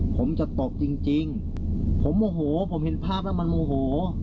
ผมจะตบจริงจริงผมโมโหผมเห็นภาพแล้วมันโมโห